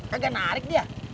kagak narik dia